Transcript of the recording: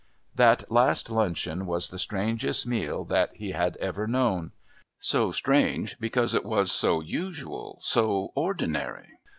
That last luncheon was the strangest meal that he had ever known. So strange because it was so usual so ordinary!